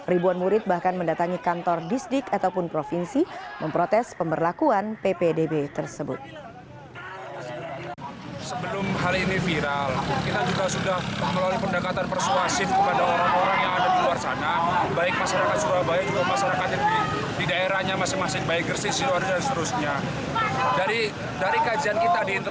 ribuan murid bahkan mendatangi kantor disdik ataupun provinsi memprotes pemberlakuan ppdb tersebut